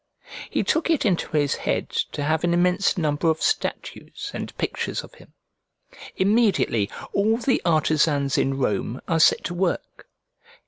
He took it into his head to have an immense number of statues and pictures of him; immediately all the artisans in Rome are set to work.